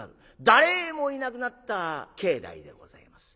誰もいなくなった境内でございます。